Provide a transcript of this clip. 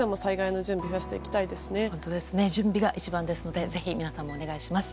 準備が一番ですのでぜひ、皆さんもお願いします。